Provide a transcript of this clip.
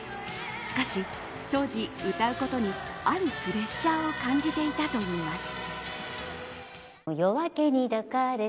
しかし当時、歌うことにあるプレッシャーを感じていたといいます。